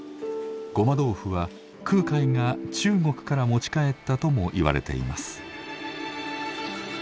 ごま豆腐は空海が中国から持ち帰ったともいわれています。